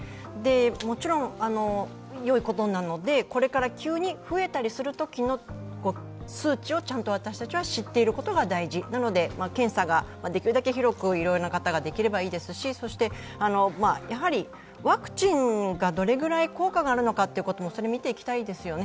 もちろん、よいことなので、これから急に増えたりするときの数値をちゃんと私たちは知っていることが大事なので、検査ができるだけ広くいろいろな方ができればいいですしワクチンがどれぐらい効果があるのかを見ていきたいですよね。